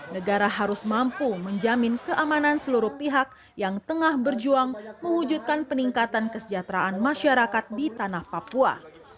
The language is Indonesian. negara harus mampu menjamin keamanan seluruh pihak yang tengah berjuang mewujudkan peningkatan kesejahteraan masyarakat di tanah papua